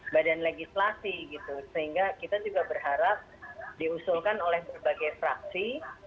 badan legislasi gitu sehingga kita juga berharap diusulkan oleh berbagai fraksi